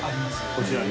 こちらに？